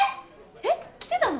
えっ来てたの？